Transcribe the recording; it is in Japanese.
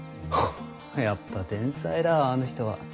やっぱ天才だわあの人は。